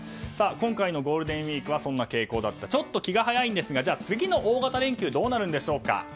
今回のゴールデンウィークはそんな傾向だったんですがちょっと気が早いんですが次の大型連休どうなるんでしょうか。